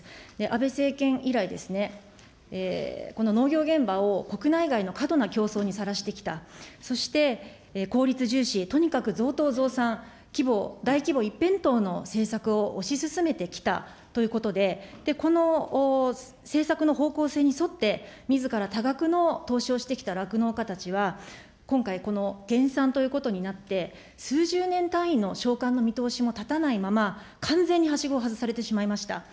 安倍政権以来、この農業現場を国内外の過度な競争にさらしてきた、そして効率重視、とにかく増頭、増産、規模を、大規模一辺倒の政策を推し進めてきたということで、この政策の方向性に沿って、みずから多額の投資をしてきた酪農家たちは、今回、この減産ということになって、数十年単位の償還の見通しも立たないまま、完全にはしごを外されてしまいました。